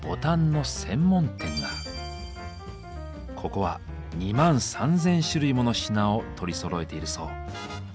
ここは２万３千種類もの品を取りそろえているそう。